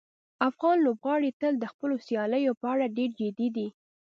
افغان لوبغاړي تل د خپلو سیالیو په اړه ډېر جدي دي.